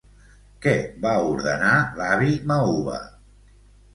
Què va ordenar l'avi Mauva?